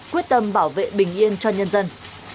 quyết tâm bảo vệ bình yên cho nhân dân